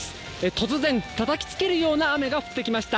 突然、たたきつけるような雨が降ってきました。